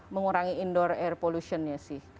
mengurangi indoor air pollution nya sih